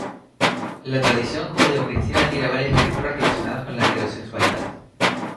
La tradición judeocristiana tiene varias escrituras relacionadas con la heterosexualidad.